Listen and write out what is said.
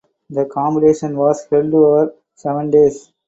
The competition was held over seven days.